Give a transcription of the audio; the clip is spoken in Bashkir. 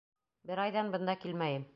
Бер айҙан бында килмәйем...